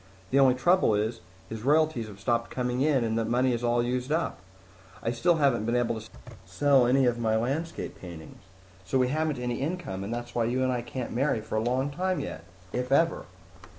The only trouble is, his royalties have stopped coming in and that money is all used up. I still haven't been able to sell any of my landscape paintings. So we haven't any income, and that's why you and I can't marry for a long time yet if ever!"